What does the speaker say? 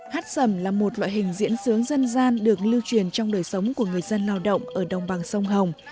hát sầm là một loại hình diễn xướng dân gian được lưu truyền trong đời sống của người dân lao động ở đồng bằng sông hồng